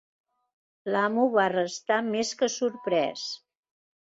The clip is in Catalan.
L'amo va restar més que sorprès